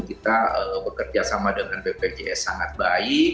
kita bekerja sama dengan bpjs sangat baik